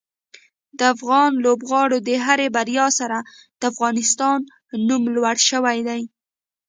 د افغان لوبغاړو د هرې بریا سره د افغانستان نوم لوړ شوی دی.